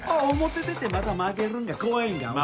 表出てまた負けるんが怖いんか？